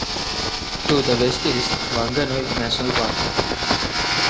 To the west is Whanganui National Park.